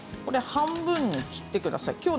半分に切ってください。